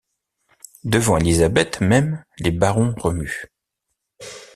Devant Élisabeth même, les barons remuent.